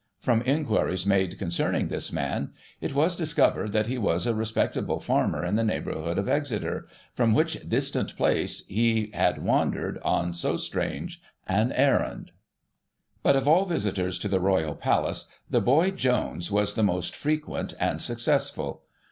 From inquiries made concerning this man, it was discovered that he was a respectable farmer in the neighbourhood of Exeter, from which distant place he had wandered on so strange an errand. But of all visitors to the Royal Palace, THE BOY JONES was the most frequent and successful.